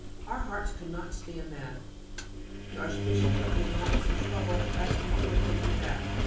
Our hearts could not stand that. The Archbishop of Lyons is in trouble as to who will take you back.